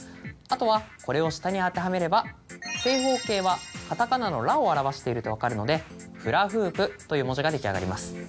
あとはこれを下に当てはめれば正方形はカタカナの「ラ」を表していると分かるので「フラフープ」という文字が出来上がります。